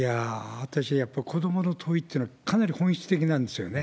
私ね、やっぱり子どもの問いってかなり本質的なんですよね。